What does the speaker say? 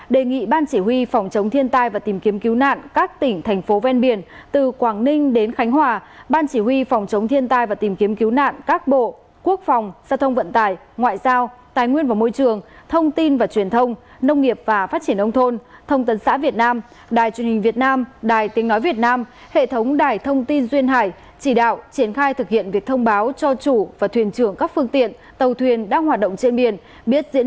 đề nghị ban chỉ huy phòng chống thiên tai và tìm kiếm cứu nạn các tỉnh thành phố ven biển từ quảng ninh đến khánh hòa ban chỉ huy phòng chống thiên tai và tìm kiếm cứu nạn các bộ quốc phòng xã thông vận tài ngoại giao tài nguyên và môi trường thông tin và truyền thông nông nghiệp và phát triển ông thôn thông tấn xã việt nam đài truyền hình việt nam đài tiếng nói việt nam hệ thống đài thông tin duyên hải chỉ đạo triển khai thực hiện việc thông báo cho chủ và thuyền trưởng các phương tiện tàu thuyền đang hoạt động trên biển biết diễn